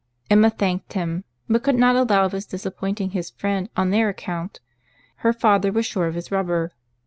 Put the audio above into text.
Emma thanked him, but could not allow of his disappointing his friend on their account; her father was sure of his rubber.